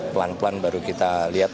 pelan pelan baru kita lihat